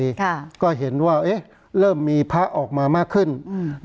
ค่ะก็เห็นว่าเอ๊ะเริ่มมีพระออกมามากขึ้นอืม